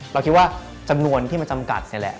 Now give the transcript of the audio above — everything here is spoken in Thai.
เราคิดว่าจำนวนที่มันจำกัดนี่แหละ